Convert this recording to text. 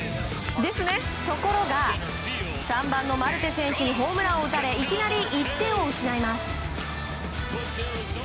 ところが、３番のマルテ選手にホームランを打たれいきなり１点を失います。